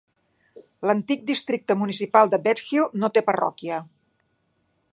L'antic districte municipal de Bexhill no té parròquia.